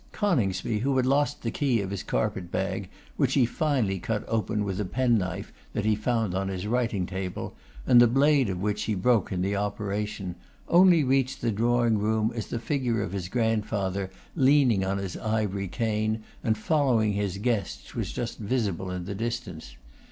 Coningsby, who had lost the key of his carpet bag, which he finally cut open with a penknife that he found on his writing table, and the blade of which he broke in the operation, only reached the drawing room as the figure of his grandfather, leaning on his ivory cane, and following his guests, was just visible in the distance.